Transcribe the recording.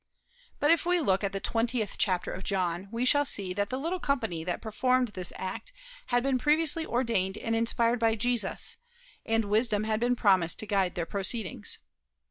But if we look at the twentieth chapter of John we shall see that the little company that performed this act had been previously ordained and inspired by Jesus, and wisdom had been promised to guide their proceedings.